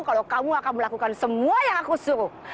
kalau kamu akan melakukan semua yang aku suruh